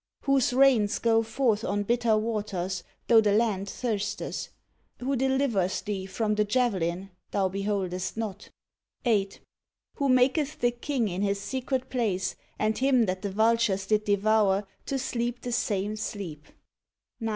Whose rains go forth on bitter waters, tho the land thirsteth; Who delivereth thee from the javelin thou beholdest not; 8. Who maketh the king in his secret place and him 135 THE FORTT THIRD CHAP'tER OF JOB that the vultures did devour to sleep the same sleep ; 9.